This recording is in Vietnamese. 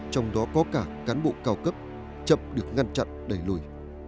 trong đó có cả cán bộ cao cấp chậm được ngăn chặn đẩy lùi